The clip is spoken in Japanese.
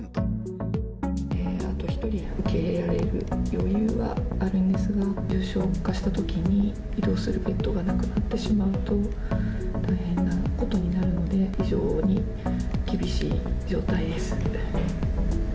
あと１人受け入れられる余裕はありますが、重症化したときに移動するベッドがなくなってしまうと、大変なことになるので、非常に厳しい状態です。